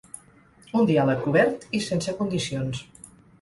Un diàleg obert i sense condicions.